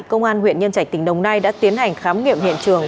công an huyện nhân trạch tỉnh đồng nai đã tiến hành khám nghiệm hiện trường